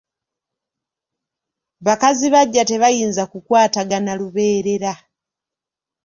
Bakazi baggya tebayinza kukwatagana lubeerera.